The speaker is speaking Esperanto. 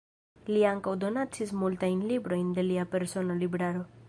Li ankaŭ donacis multajn librojn de lia persona libraro.